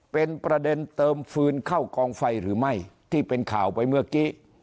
เป็นประเด็นเติมฟืนเข้ากองไฟหรือไม่ที่เป็นข่าวไปเมื่อกี้